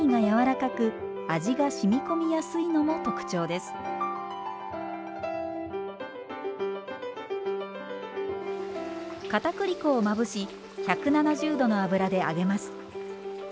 かたくり粉をまぶし１７０℃の油で揚げます。